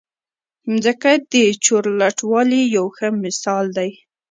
مځکه د چورلټوالي یو ښه مثال دی.